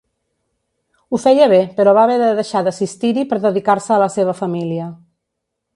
Ho feia bé, però va haver de deixar d'assistir-hi per dedicar-se a la seva família.